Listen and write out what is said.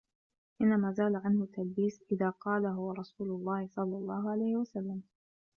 إنَّمَا زَالَ عَنْهُ التَّلْبِيسُ إذَا قَالَهُ رَسُولُ اللَّهِ صَلَّى اللَّهُ عَلَيْهِ وَسَلَّمَ